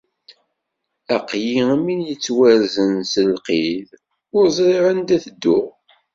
Aql-i am win yettwarzen s lqid ur ẓriɣ anda i tedduɣ.